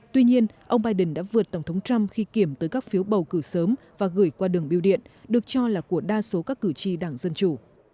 tuy nhiên ông biden đã vượt tổng thống trump khi kiểm tới các phiếu bầu cử sớm và gửi qua đường biêu điện được cho là của đa số các cử tri đảng dân chủ